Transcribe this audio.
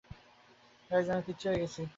Guys, আমি পিচ্চি হয়ে গেছি!